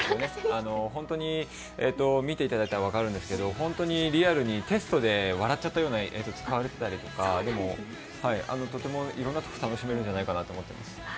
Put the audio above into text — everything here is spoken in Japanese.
本当に見ていただいたら分かるんですけど本当にリアルにテストで笑っちゃった映像を使われたりとかとてもいろんなところで楽しめるんじゃないかなと思っています。